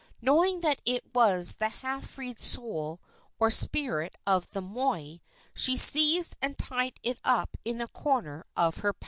Knowing that it was the half freed soul or spirit of the moi, she seized and tied it up in a corner of her pau.